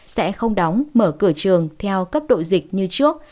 sẽ không đóng mở cửa trường theo cấp độ dịch như trước